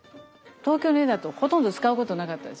東京の家だとほとんど使うことなかったんです。